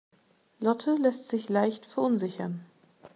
Lotte lässt sich leicht verunsichern.